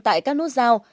tại các nút giao